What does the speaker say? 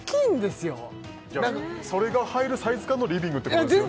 何かじゃあそれが入るサイズ感のリビングってことですよね